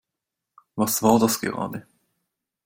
Was war das gerade?